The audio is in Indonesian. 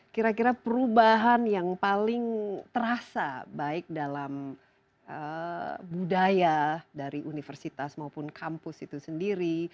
kira kira perubahan yang paling terasa baik dalam budaya dari universitas maupun kampus itu sendiri